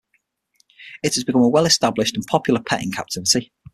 It has become a well-established and popular pet in captivity.